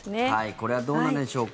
これはどうなんでしょうか